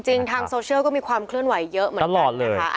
ทางโซเชียลก็มีความเคลื่อนไหวเยอะเหมือนกันนะคะ